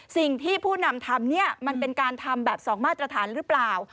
ผู้นำทำเนี่ยมันเป็นการทำแบบสองมาตรฐานหรือเปล่า